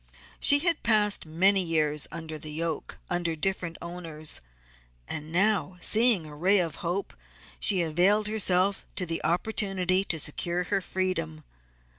She had passed many years under the yoke, under different owners, and now seeing a ray of hope she availed herself of the opportunity to secure her freedom.